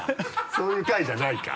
そういう回じゃないか。